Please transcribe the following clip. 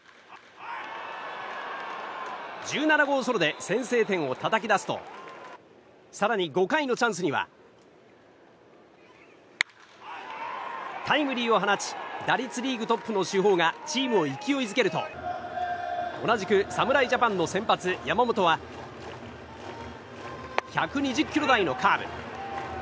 １７号ソロで先制点をたたき出すと更に５回のチャンスにはタイムリーを放ち打率リーグトップの主砲がチームを勢いづけると同じく侍ジャパンの先発、山本は１２０キロ台のカーブ。